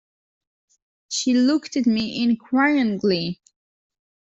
She looked at me inquiringly.